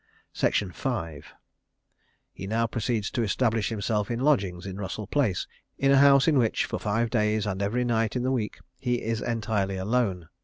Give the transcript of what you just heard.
He now proceeds to establish himself in lodgings in Russell Place (V.), in a house in which, for five days and every night in the week, he is entirely alone.